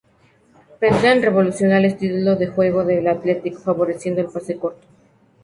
Pentland revolucionó el estilo de juego del Athletic, favoreciendo el pase corto.